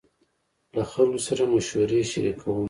له خلکو سره مشورې شريکوم.